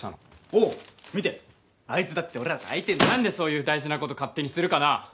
おう見てあいつだって俺らと会いてえ何でそういう大事なこと勝手にするかな？